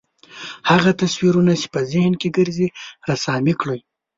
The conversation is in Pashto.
هغه تصویرونه چې په ذهن کې ګرځي رسامي کړئ.